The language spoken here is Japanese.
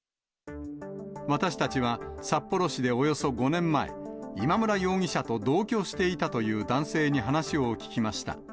私たちは、札幌市でおよそ５年前、今村容疑者と同居していたという男性に話を聞きました。